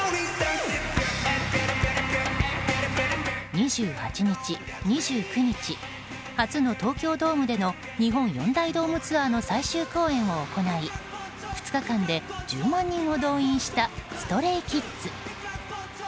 ２８日、２９日初の東京ドームでの日本四大ドームツアーの最終公演を行い２日間で１０万人を動員したＳｔｒａｙＫｉｄｓ。